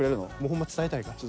ほんま伝えたいから。